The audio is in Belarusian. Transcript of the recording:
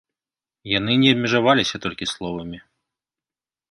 Яны не абмежаваліся толькі словамі.